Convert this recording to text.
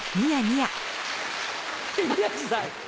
宮治さん。